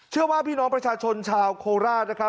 เชื่อว่าพี่น้องประชาชนชาวโคราช